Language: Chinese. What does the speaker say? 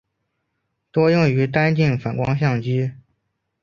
多用于单镜反光相机。